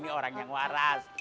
ini orang yang waras